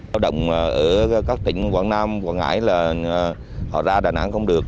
lao động ở các tỉnh quảng nam quảng ngãi là họ ra đà nẵng không được